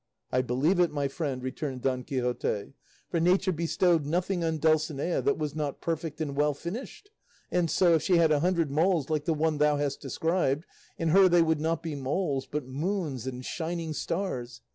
"I believe it, my friend," returned Don Quixote; "for nature bestowed nothing on Dulcinea that was not perfect and well finished; and so, if she had a hundred moles like the one thou hast described, in her they would not be moles, but moons and shining stars.